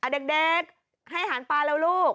เด็กให้อาหารปลาแล้วลูก